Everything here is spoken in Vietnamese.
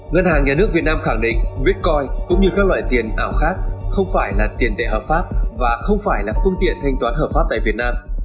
ngân hàng nhà nước việt nam khẳng định bitcoin cũng như các loại tiền ảo khác không phải là tiền tệ hợp pháp và không phải là phương tiện thanh toán hợp pháp tại việt nam